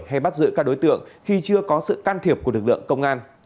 hay bắt giữ các đối tượng khi chưa có sự can thiệp của lực lượng công an